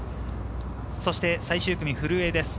そして最終組、古江です。